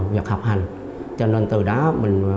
để trở thành những người ca ích